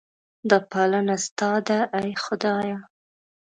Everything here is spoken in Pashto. دا پالنه ستا ده ای خدایه.